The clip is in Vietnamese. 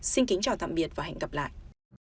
xin kính chào tạm biệt và hẹn gặp lại